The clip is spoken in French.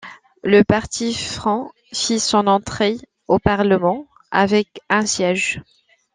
Le Parti fren fit son entrée au Parlement, avec un siège.